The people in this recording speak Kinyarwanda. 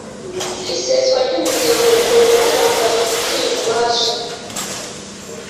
Iseswa ry’umuryango rikorwa n’abantu babifitiye ububasha